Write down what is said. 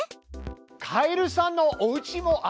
カエルさんのおうちもありますよ。